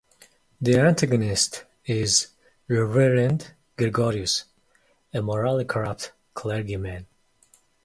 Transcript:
The antagonist is Reverend Gregorius, a morally corrupt clergyman.